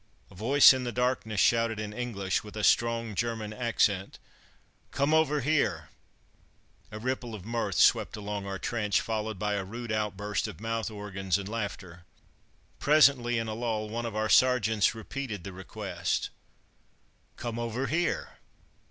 A voice in the darkness shouted in English, with a strong German accent, "Come over here!" A ripple of mirth swept along our trench, followed by a rude outburst of mouth organs and laughter. Presently, in a lull, one of our sergeants repeated the request, "Come over here!"